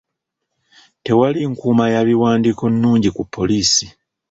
Tewali nkuuma ya biwandiiko nnungi ku poliisi.